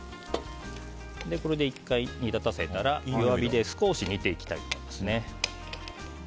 これで１回、煮立たせたら弱火で少し煮ていきたいと思います。